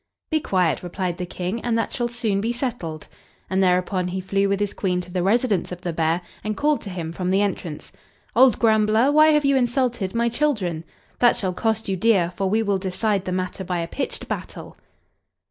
"Be quiet," replied the King, "and that shall soon be settled." And thereupon he flew with his Queen to the residence of the bear, and called to him from the entrance, "Old grumbler, why have you insulted my children? That shall cost you dear, for we will decide the matter by a pitched battle."